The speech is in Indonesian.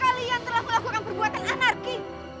kalian telah melakukan perbuatan anarki